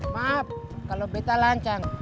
maaf kalau beta lancang